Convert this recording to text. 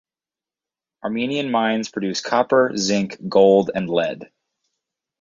Armenian mines produce copper, zinc, gold and lead.